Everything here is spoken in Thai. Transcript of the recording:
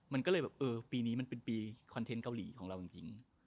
มันก็เลยแบบเออปีนี้มันเป็นปีคอนเทนต์เกาหลีของเราจริง